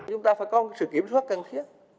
chúng ta phải có sự kiểm soát cần thiết